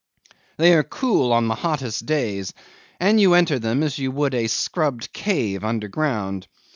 They are cool on the hottest days, and you enter them as you would a scrubbed cave underground.